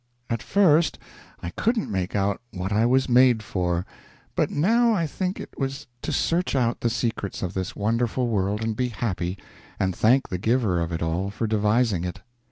At first I couldn't make out what I was made for, but now I think it was to search out the secrets of this wonderful world and be happy and thank the Giver of it all for devising it.